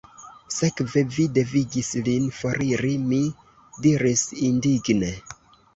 Sekve, vi devigis lin foriri, mi diris indigne.